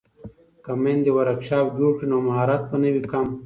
که میندې ورکشاپ جوړ کړي نو مهارت به نه وي کم.